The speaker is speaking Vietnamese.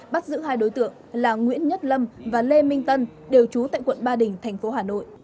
bắt giữ hai đối tượng là nguyễn nhất lâm và lê minh tân đều trú tại quận ba đình thành phố hà nội